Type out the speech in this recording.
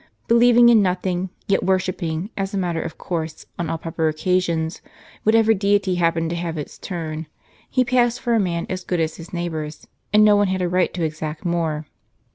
Believing in nothing, yet worshipping, as a matter of course, on all proper occasions, whatever deity happened to have its turn, he passed for a man as good as his neighbors ; and no one had a right to exact more.